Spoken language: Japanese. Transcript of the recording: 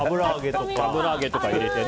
油揚げとか入れてね。